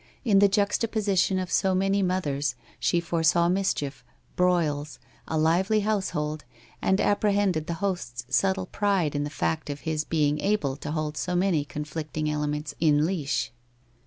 In the juxtaposition of so many mothers, she foresaw mischief, broils, a lively household, and apprehended the host's subtle pride in the fact of his being able to hold so many conflicting elements in leash.